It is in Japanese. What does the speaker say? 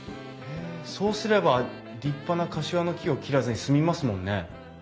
そうすれば立派なカシワの木を切らずに済みますもんね。